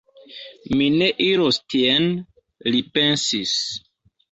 Mi ne iros tien, li pensis.